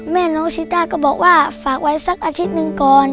แม่น้องชิต้าก็บอกว่าฝากไว้สักอาทิตย์หนึ่งก่อน